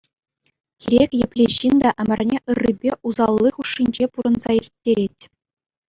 Кирек епле ҫын та ӗмӗрне ыррипе усалли хушшинче пурӑнса ирттерет.